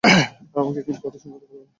আমাকে এখন কথা শোনাতে পারবে না।